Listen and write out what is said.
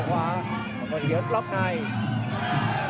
มันกำเท่าที่เขาซ้ายมันกำเท่าที่เขาซ้าย